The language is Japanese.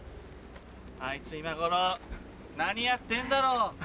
あいつ今頃何やってんだろ。